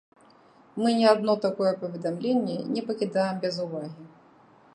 Мы ні адно такое паведамленне не пакідаем без увагі.